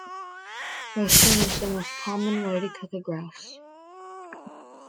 Roasting is the most common way to cook a grouse.